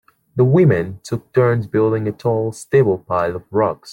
The women took turns building a tall stable pile of rocks.